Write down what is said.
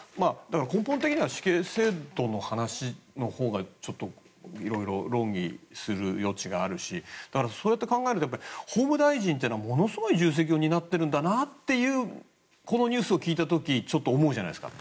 根本的には死刑制度の話のほうが色々と論議する余地があるしそうやって考えると法務大臣というのはものすごい重責を担っているんだなとこのニュースを聞いた時にちょっと思うじゃないですか。